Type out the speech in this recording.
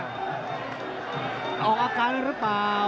ออกอากาศนั่นหรือเปล่า